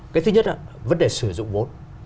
cái thứ nhất là vấn đề sử dụng vốn